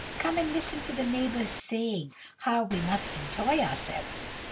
Come, and listen to the neighbours, saying, how we must enjoy ourselves!